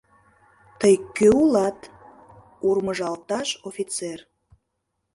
— Тый кӧ улат? — урмыжалташ офицер.